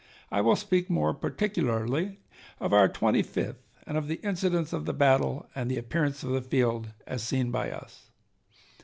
I will speak more particularly of our Twenty fifth, and of the incidents of the battle and the appearance of the field as seen by us.